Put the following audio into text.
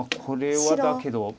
これはだけど。